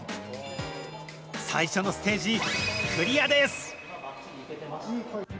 最初のステージ、クリアです。